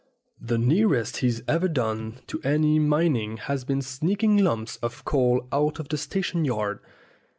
The nearest he's ever done to any mining has been sneaking lumps of coal out of the station yard.